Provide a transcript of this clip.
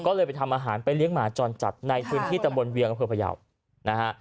ก็เลยไปทำอาหารไปเลี้ยงหมาจอดจัดในพื้นที่ตะบนเวียงกระเภือพระเยาะ